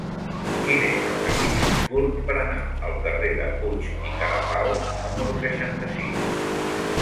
Quin és el camí més curt per anar al carrer de Puig i Cadafalch número seixanta-sis?